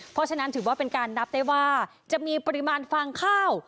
เพราะฉะนั้นถือว่าเป็นการนับได้ว่าจะมีปริมาณฟางข้าว